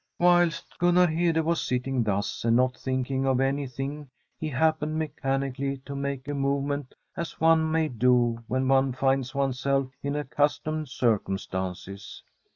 Whilst Gunnar Hede was sitting thus and not thinking of anything, he happened mechanically to make a movement as one may do when one t\\\i\s i>ne*s self in accustomed circumstances.